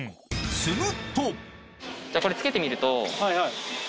するとこれつけてみると。